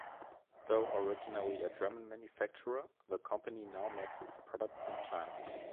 Though originally a German manufacturer, the company now makes its products in China.